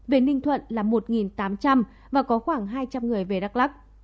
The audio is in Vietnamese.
về ninh thuận là một tám trăm linh và có khoảng hai trăm linh người về đắk lắc